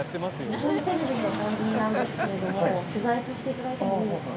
日本テレビの番組なんですけれども取材させていただいてもいいですか？